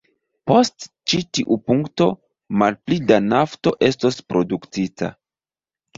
Post ĉi tiu punkto, malpli da nafto estos produktita.